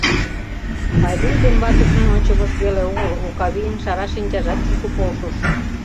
Пайдуш ден ватыжын ончымышт веле огыл, Окавийын шара шинчажат шуко полшыш.